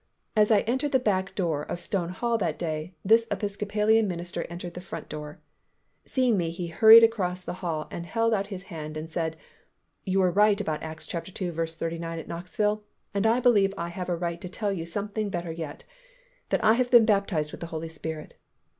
As I entered the back door of Stone Hall that day, this Episcopalian minister entered the front door. Seeing me he hurried across the hall and held out his hand and said, "You were right about Acts ii. 39 at Knoxville, and I believe I have a right to tell you something better yet, that I have been baptized with the Holy Spirit."